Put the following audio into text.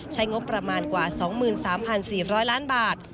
ใช้งบประมาณกว่า๒๓๔๐๐ล้านบาท